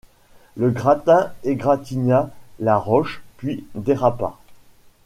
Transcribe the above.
Le grappin égratigna la roche, puis dérapa.